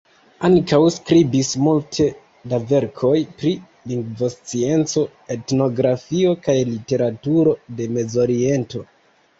Ankaŭ skribis multe da verkoj pri lingvoscienco, etnografio, kaj literaturo de Mezoriento.